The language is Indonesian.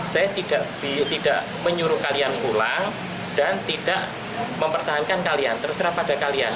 saya tidak menyuruh kalian pulang dan tidak mempertahankan kalian terserah pada kalian